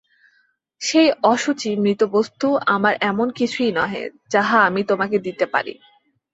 সেই অশুচি মৃতবস্তু আমার এমন কিছুই নহে, যাহা আমি তোমকে দিতে পারি।